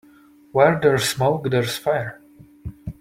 Where there's smoke there's fire.